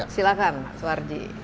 silahkan mas warji